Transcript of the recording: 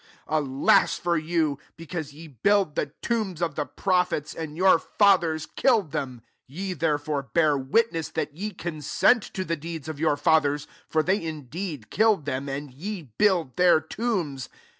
47 Alas for yon ! be* cause ye build the tombs of tSbm prophets, and your fathers Idtt*! ed them. 48 Ye therefore bear witness that ye consent to ikm deeds of your fathers : for tiief indeed killed them, and yej build [their tombs.